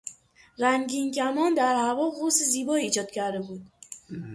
رنگین کمان در هوا قوس زیبایی ایجاد کرده بود.